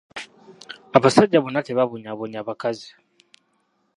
Abasajja bonna tebabonyaabonya bakazi.